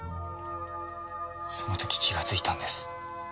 その時気がついたんです。